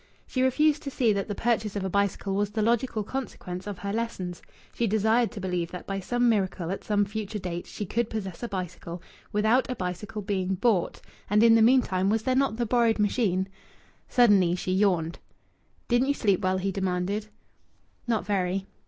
She refused to see that the purchase of a bicycle was the logical consequence of her lessons. She desired to believe that by some miracle at some future date she could possess a bicycle without a bicycle being bought and in the meantime was there not the borrowed machine? Suddenly she yawned. "Didn't you sleep well?" he demanded. "Not very."